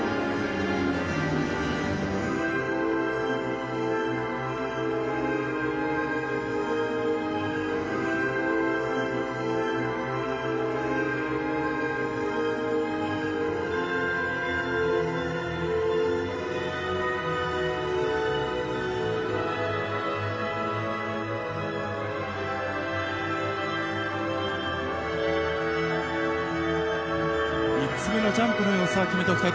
３つ目のジャンプの要素は決めておきたいところです。